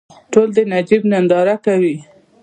ټول د نجیب ننداره کوي.